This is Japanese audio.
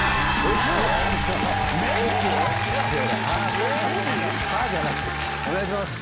コジ⁉お願いします。